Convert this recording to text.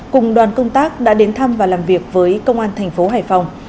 cùng đoàn công tác đã đến thăm và làm việc với công an thành phố hải phòng